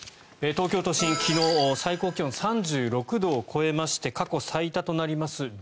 東京都心、昨日最高気温３６度を超えまして過去最多となります